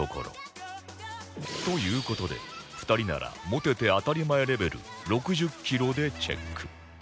という事で２人なら持てて当たり前レベル６０キロでチェック